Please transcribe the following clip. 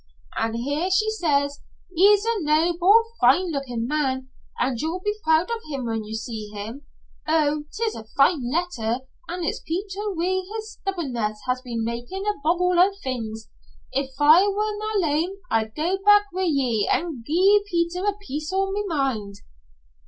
An' here she says, 'He's a noble, fine looking man, and you'll be proud of him when you see him.' Oh, 'tis a fine letter, an' it's Peter wi' his stubbornness has been makin' a boggle o' things. If I were na lame, I'd go back wi' ye an' gie Peter a piece o' my mind."